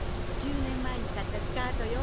１０年前に買ったスカートよ。